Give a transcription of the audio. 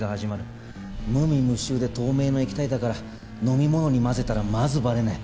無味無臭で透明の液体だから飲み物に混ぜたらまずバレない。